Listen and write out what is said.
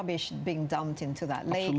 bengkak yang dikumpulkan di lagu